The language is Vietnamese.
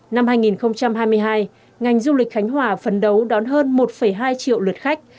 năm hai nghìn hai mươi hai ngành du lịch khánh hòa phấn đấu đón hơn một hai triệu lượt khách